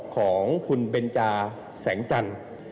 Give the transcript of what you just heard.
ของคุณเบนจาแสงจันทร์